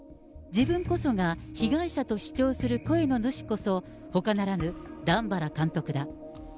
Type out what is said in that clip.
自分こそが被害者と主張する声の主こそ、ほかならぬ段原監督だ。